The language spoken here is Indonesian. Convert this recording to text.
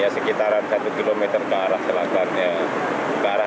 sekitaran satu kilometer ke arah